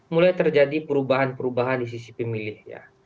mulai terjadi perubahan perubahan di sisi pemilih ya